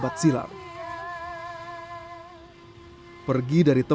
asal luar biasa